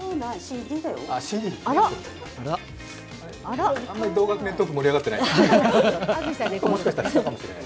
あんまり同学年トーク盛り上がってないな。